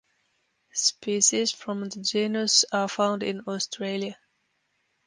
Species from the genus are found in Australia.